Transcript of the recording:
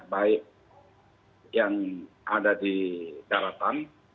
baik yang ada di daratan